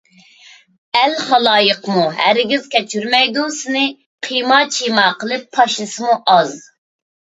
ئەل - خالايىقمۇ ھەرگىز كەچۈرمەيدۇ! سېنى قىيما - چىيما قىلىپ تاشلىسىمۇ ئاز!